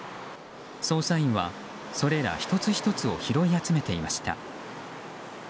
捜査員は、それら１つ１つを拾い集めていました。